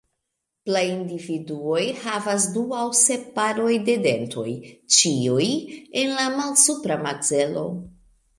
Plej individuoj havas du al sep paroj de dentoj, ĉiuj en la malsupra makzelo.